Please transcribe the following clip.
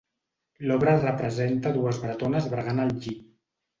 L'obra representa dues bretones bregant el lli.